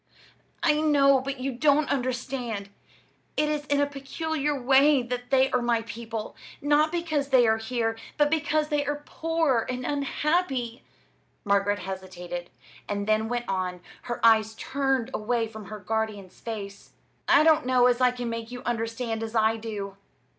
"I know, but you do not understand. It is in a peculiar way that they are my people not because they are here, but because they are poor and unhappy." Margaret hesitated, and then went on, her eyes turned away from her guardian's face. "I don't know as I can make you understand as I do.